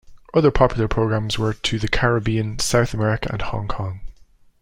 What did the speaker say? Other popular programs were to the Caribbean, South America, and Hong Kong.